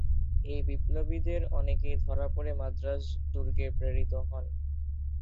এই বিপ্লবীদের অনেকেই ধরা পড়ে মাদ্রাজ দুর্গে প্রেরিত হন।